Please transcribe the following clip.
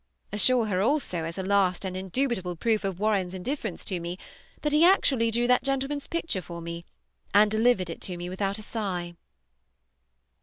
Assure her also, as a last and indubitable proof of Warren's indifference to me, that he actually drew that gentleman's picture for me, and delivered it to me without a sigh.